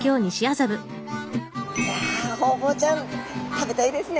いやホウボウちゃん食べたいですね。